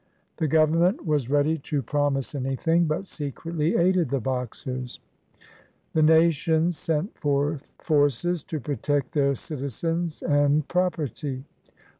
The Government was ready to promise anything, but secretly aided the Boxers. The nations then sent forces to protect their citizens and property.